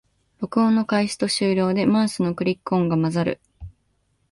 録音の開始と終了でマウスのクリック音が混ざる